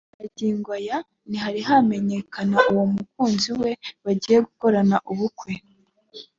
Magingo aya ntihari hamenyekana uwo mukunzi we bagiye gukorana ubukwe